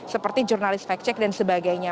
seperti jurnalis fact check dan sebagainya